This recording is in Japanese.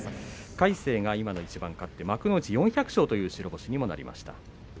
魁聖が勝って幕内４００勝という白星にもなりました。